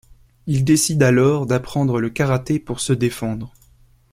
Il décide alors d'apprendre le karaté pour se défendre.